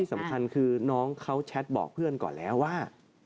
สำคัญคือน้องเขาแชทบอกเพื่อนก่อนแล้วว่า